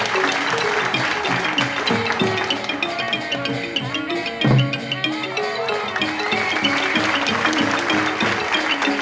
ดูเครื่องหน้าเลยครับ